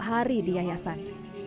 hari di yayasan